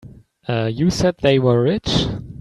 You said they were rich?